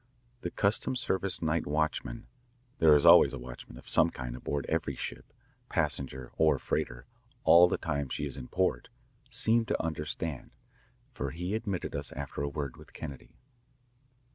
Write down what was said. The customs service night watchman there is always a watchman of some kind aboard every ship, passenger or freighter, all the time she is in port seemed to understand, for he admitted us after a word with Kennedy.